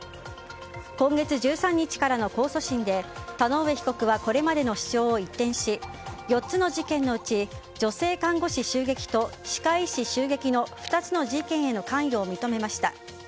今月１３日からの控訴審で田上被告はこれまでの主張を一転し４つの事件のうち女性看護師襲撃と歯科医師襲撃の２つの事件への関与を認めました。